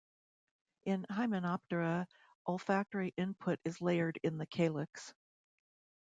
In Hymenoptera, olfactory input is layered in the calyx.